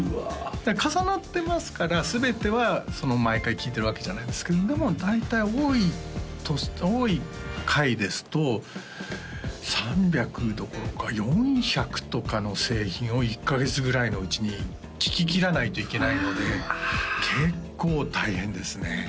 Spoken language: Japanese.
重なってますから全ては毎回聴いてるわけじゃないんですけれども大体多い回ですと３００どころか４００とかの製品を１カ月ぐらいのうちに聴ききらないといけないので結構大変ですね